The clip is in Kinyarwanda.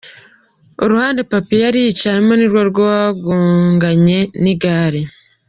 Uruhande Pappy yari yicayemo nirwo rwagonganye n'igare.